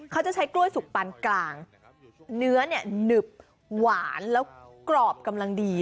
เขาจะใช้กล้วยสุกปันกลางเนื้อเนี่ยหนึบหวานแล้วกรอบกำลังดี